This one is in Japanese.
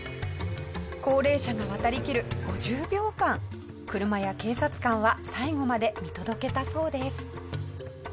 高齢者が渡りきる５０秒間車や警察官は最後まで見届けたそうです。